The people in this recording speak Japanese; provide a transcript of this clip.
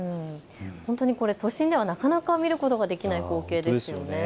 本当にこれ、都心ではなかなか見ることができない光景ですよね。